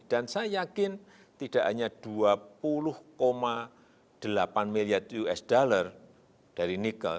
dan saya yakin tidak hanya dua puluh delapan miliar usd dari nikel